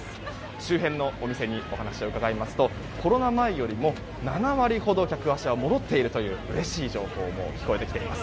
周辺のお店にお話を伺いますとコロナ前よりも７割ほど客足は戻っているといううれしい情報も聞こえてきています。